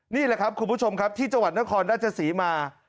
นี่แหละครับคุณผู้ชมครับที่จังหวัดนครราชศรีมา